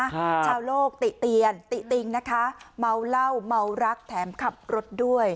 ชาวโลกติเตียนติติงนะคะเมาเหล้าเมารักแถมขับรถด้วย